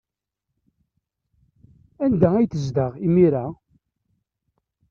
Anda ay tezdeɣ imir-a?